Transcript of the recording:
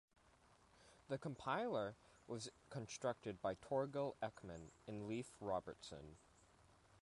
The compiler was constructed by Torgil Ekman and Leif Robertson.